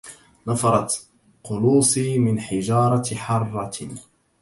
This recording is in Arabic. نفرت قلوصي من حجارة حرة